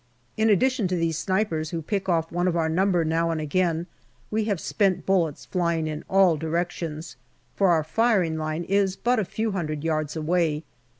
In addition to these snipers who pick off one of our number now and again, we have spent bullets flying in all directions, for our firing line is but a few hundred yards away.